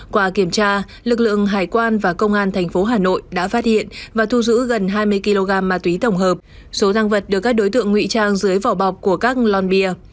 qua kiểm tra lực lượng hải quan và công an tp hà nội đã phát hiện và thu giữ gần hai mươi kg ma túy tổng hợp số tăng vật được các đối tượng ngụy trang dưới vỏ bọc của các lon bia